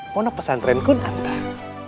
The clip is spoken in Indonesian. mono pesan tren kun antar